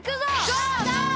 ゴー！